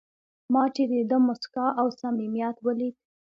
ما چې د ده موسکا او صمیمیت ولید.